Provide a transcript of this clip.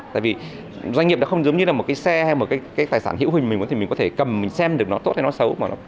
tại vì doanh nghiệp nó không giống như là một cái xe hay một cái tài sản hữu hình mình thì mình có thể cầm mình xem được nó tốt hay nó xấu mà nó